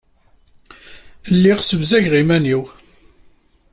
Lliɣ ssebzageɣ iman-inu.